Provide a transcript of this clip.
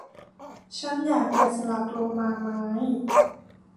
ฉันอยากแกะสลักโลมาไม้